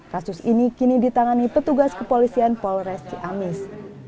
kasus ini kini ditangani petugas kepolisian polres ciamis